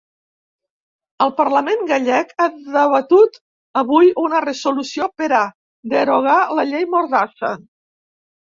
El parlament gallec ha debatut avui una resolució per a derogar la llei mordassa.